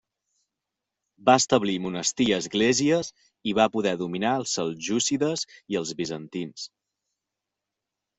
Va establir monestir i esglésies i va poder dominar als seljúcides i als bizantins.